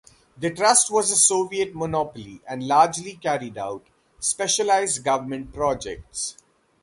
The trust was a Soviet monopoly and largely carried out specialized government projects.